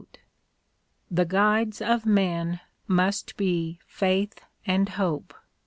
The guides of men must be Faith and Hope.